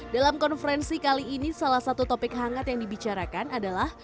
dalam konferensi kali ini salah satu topik hangat yang dibicarakan adalah